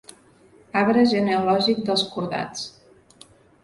Arbre genealògic dels cordats.